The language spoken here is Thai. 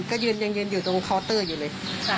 ก็ยืนยังยืนอยู่ตรงเคาน์เตอร์อยู่เลย